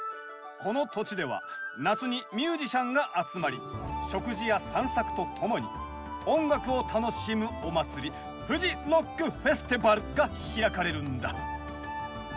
この土地では夏にミュージシャンが集まり食事や散策とともに音楽を楽しむお祭り「フジロックフェスティバル」が開かれるんだ。